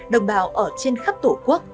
đồng bào ở trên khắp tổ quốc